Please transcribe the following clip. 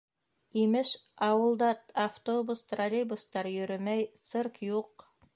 Имеш, ауылда автобус, троллейбустар йөрөмәй, цирк юҡ.